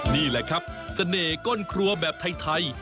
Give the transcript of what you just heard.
นี่แหละครับเสน่ห์ก้นครัวแบบไทย